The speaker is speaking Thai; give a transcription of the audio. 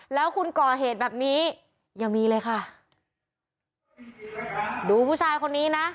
แล้วคุณก่อเหตุแบบนี้ยังมีเลยค่ะดูผู้ชายคนนี้นะ